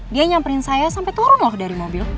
dia nyamperin saya sampai turun loh dari mobil